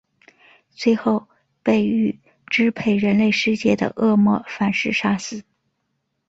最后被欲支配人类世界的恶魔反噬杀死。